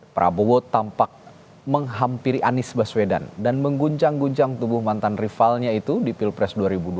prabowo tampak menghampiri anies baswedan dan mengguncang guncang tubuh mantan rivalnya itu di pilpres dua ribu dua puluh